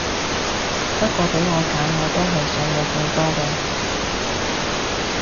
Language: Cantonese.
不過俾我揀我都係想冇棍多啲